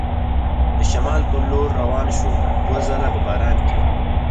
د شمال په لور روان شو، دوه ځله په باران کې.